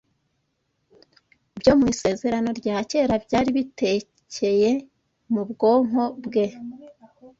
byo mu Isezerano rya Kera byari bitekeye mu bwonko bwe